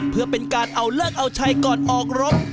เพื่อเป็นการเอาเลิกเอาชัยก่อนออกรบ